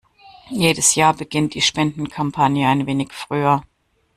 Jedes Jahr beginnt die Spendenkampagne ein wenig früher.